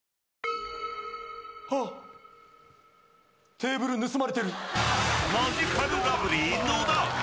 テーブル盗まれてる。